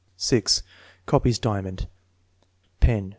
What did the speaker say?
C. Copies diamond. (Pen.